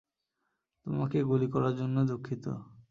তোমাকে গুলি করার জন্য দুঃখিত।